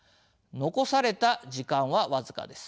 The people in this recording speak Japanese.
残された時間は僅かです。